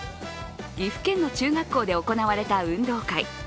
岐阜県の中学校で行われた運動会。